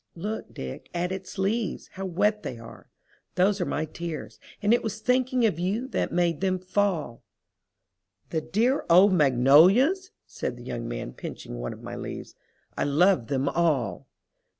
Look, Dick, at its leaves, how wet they are. Those are my tears, and it was thinking of you that made them fall." "The dear old magnolias!" says the young man, pinching one of my leaves. "I love them all."